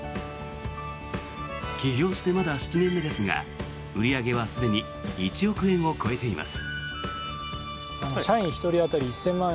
起業してまだ７年目ですが売り上げはすでに１億円を超えています。